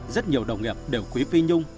rất nhiều đồng nghiệp đều quý phi nhung